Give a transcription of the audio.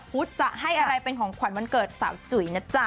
พุทธจะให้อะไรเป็นของขวัญวันเกิดสาวจุ๋ยนะจ๊ะ